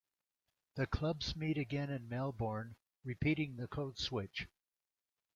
The clubs met again in Melbourne, repeating the code switch.